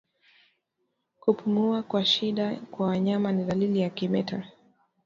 Kupumua kwa shida kwa wanyama ni dalili ya kimeta